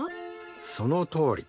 そのとおり。